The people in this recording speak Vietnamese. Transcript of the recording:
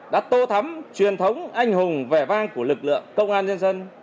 đã tô thắm truyền thống anh hùng vẻ vang của lực lượng công an nhân dân